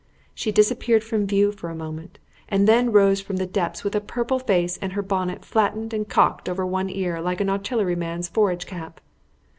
She disappeared from view for a moment, and then rose from the depths with a purple face and her bonnet flattened and cocked over one ear like an artillery man's forage cap.